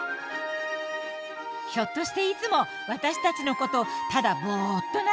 ひょっとしていつも私たちのことをただボッと眺めてません？